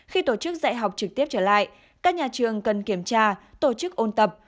khi tổ chức dạy học trực tiếp trở lại các nhà trường cần kiểm tra tổ chức ôn tập